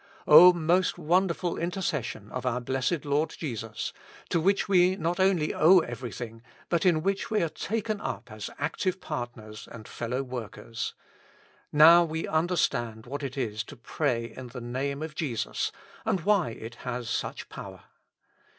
O most wonderful intercession of our Blessed Lord Jesus, to which we not only owe everything, but in 214 With Christ in the School of Prayer. which we are taken up as active partners and fellow workers ! Now we understand what it is to pray in the Name of Jesus, and why it has such power.